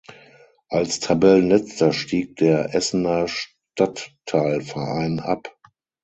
Als Tabellenletzter stieg der Essener Stadtteilverein ab.